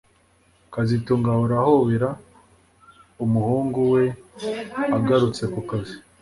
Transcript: kazitunga ahora ahobera umuhungu we agarutse kukazi